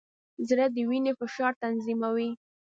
زړه د وینې فشار تنظیموي.